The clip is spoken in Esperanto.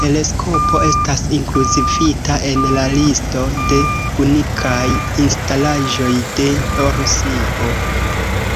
Teleskopo estas inkluzivita en la listo de unikaj instalaĵoj de Rusio.